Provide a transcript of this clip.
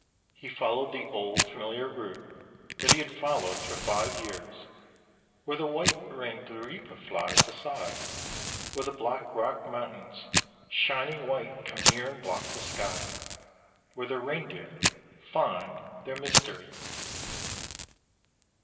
He followed the old familiar route that he had followed for five years, where the white winged Rype flies aside, where the black rock mountains, shining white, come near and block the sky, "where the Reindeer find their mysterie."